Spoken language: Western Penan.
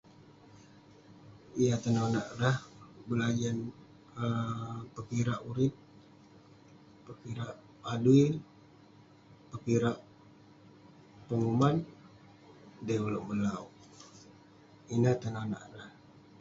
Yah tenonak rah, berajan pekirak urip, pekirak adui, pekirak peguman, dei ulouk melauk. Ineh tenonak rah.